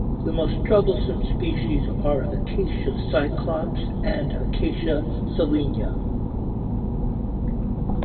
The most troublesome species are "Acacia cyclops" and "Acacia saligna".